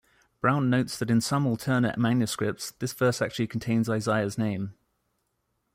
Brown notes that in some alternate manuscripts this verse actually contains Isaiah's name.